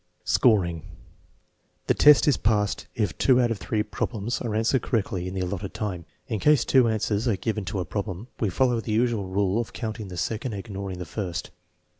Scoring. The test is passed if two out of three problems are answered correctly in the allotted time. In case two answers are given to a problem, we follow the usual rule of counting the second and ignoring the first.